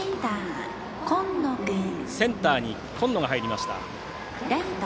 センターに今野が入りました。